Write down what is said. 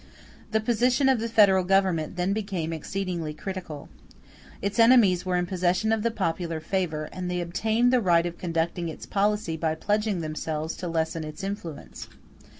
The position of the Federal Government then became exceedingly critical. Its enemies were in possession of the popular favor; and they obtained the right of conducting its policy by pledging themselves to lessen its influence.